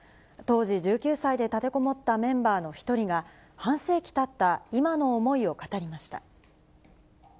当時１９歳で立てこもったメンバーの１人が、半世紀たった今の思いを語りました。